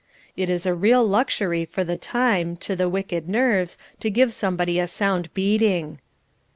It is a real luxury for the time, to the wicked nerves to give somebody a sound beating.